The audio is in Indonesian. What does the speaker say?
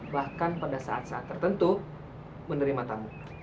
bahkan pada saat saat tertentu menerima tamu